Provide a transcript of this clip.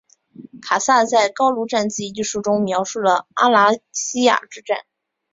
凯撒在高卢战记一书中描述了阿莱西亚之战。